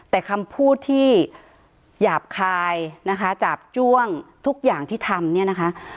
แต่คำพูดที่หยาบคายนะคะจาบจ้วงทุกอย่างที่ทำเนี่ยนะคะ